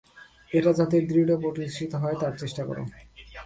এটা যাতে দৃঢ়প্রতিষ্ঠিত হয়, তার চেষ্টা কর।